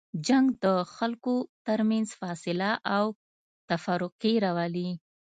جنګ د خلکو تر منځ فاصله او تفرقې راولي.